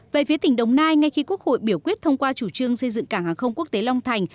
về phía tỉnh đồng nai ngay khi quốc hội biểu quyết thông qua chủ trương xây dựng cảng hàng không quốc tế long thành